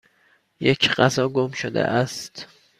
یک غذا گم شده است.